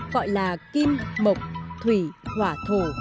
gọi là kim mộc thủy hỏa thổ